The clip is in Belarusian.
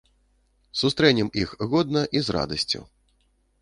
Сустрэнем іх годна і з радасцю.